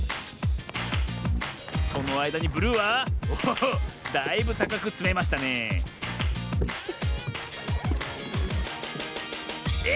そのあいだにブルーはおおだいぶたかくつめましたねええ